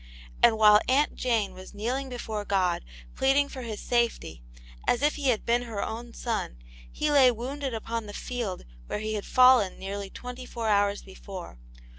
And while Aunt Jane was kneeling before God, pleading for his safety, as if he had been her own son, he lay wounded upon the field where he had fallen nearly twenty four hours before.